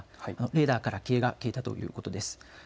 レーダーから消えたということです。